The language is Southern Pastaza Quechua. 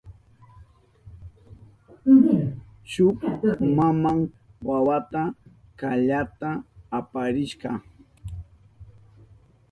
Shuk maman wawanta kallata aparishka.